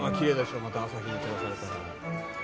また朝日に照らされて。